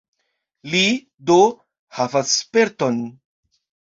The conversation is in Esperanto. Li, do, havas sperton.